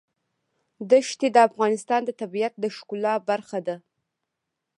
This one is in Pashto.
ښتې د افغانستان د طبیعت د ښکلا برخه ده.